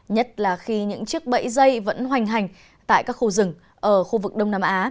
nhất là khi những chiếc bẫy dây vẫn hoành hành tại các khu rừng ở khu vực đông nam á